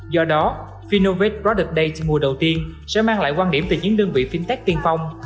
do đó finnovate product day mùa đầu tiên sẽ mang lại quan điểm từ những đơn vị fintech tiên phong